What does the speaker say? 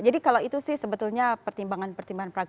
jadi kalau itu sih sebetulnya pertimbangan pertimbangan pragmatis